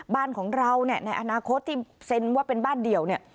บ้านของเราเนี่ยในอนาคตที่เซ็นว่าเป็นบ้านเดี่ยวเนี่ย